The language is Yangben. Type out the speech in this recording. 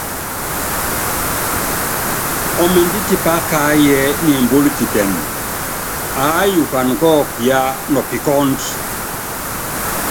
Ɔmindɛ́ tipá kaáyíɛ niimbúluikitɛnɛ, aáyukana kɔ́ɔkɔ yaa nɔpikɔ́ɔ^du.